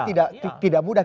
bisa juga tidak mudah